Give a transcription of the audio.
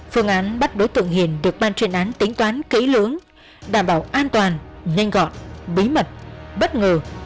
phương án bắt đối tượng hiền được ban chuyên án tính toán kỹ lưỡng đảm bảo an toàn nhanh gọn bí mật bất ngờ